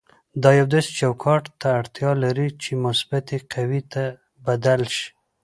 دا یو داسې چوکاټ ته اړتیا لري چې مثبتې قوې ته بدل شي.